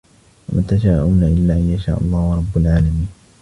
وَمَا تَشَاءُونَ إِلَّا أَنْ يَشَاءَ اللَّهُ رَبُّ الْعَالَمِينَ